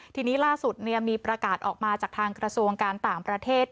ทีนี้ล่าสุดมีประกาศออกมาจากทางกระทรวงการต่างประเทศ